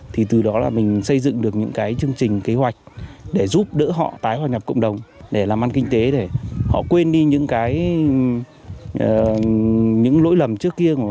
thì từ đó là mình xây dựng được những cái chương trình kế hoạch để giúp đỡ họ tái hoạt nhập cộng đồng để làm ăn kinh tế để họ quên đi những cái những lỗi lầm trước kia của họ đã